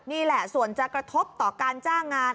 นี่แหละส่วนจะกระทบต่อการจ้างงาน